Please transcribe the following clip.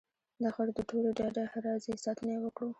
داخاوره دټولو ډ ه ده راځئ ساتنه یې وکړو .